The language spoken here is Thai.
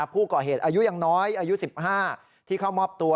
ผู้ก่อเหตุอายุยังน้อยอายุ๑๕ที่เข้ามอบตัว